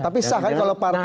tapi sah kan kalau partai